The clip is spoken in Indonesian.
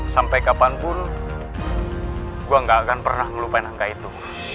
sampai kapanpun gue gak akan pernah ngelupain angka itu